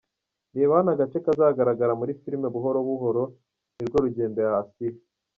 Reba hano agace kazagaragara muri filime Buhoro buhoro ni rwo rugendo ya Assia:.